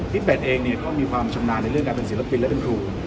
ที่๘เองก็มีความชำนาญในเรื่องการเป็นศิลปินและเป็นผู้